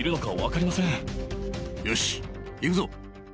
よし行くぞ。